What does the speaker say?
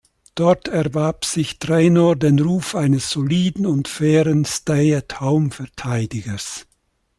Dort erwarb sich Traynor den Ruf eines soliden und fairen "Stay-at-home-Verteidigers".